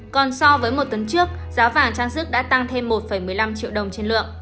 còn so với một tuần trước giá vàng trang sức đã tăng thêm một một mươi năm triệu đồng trên lượng